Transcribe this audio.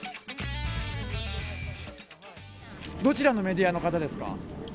どちらのメディアの方ですか？